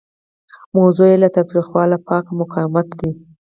موضوع یې له تاوتریخوالي پاک مقاومت دی.